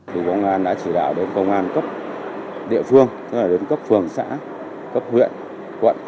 bộ công an đã chỉ đạo đến công an cấp địa phương cấp phường xã cấp huyện quận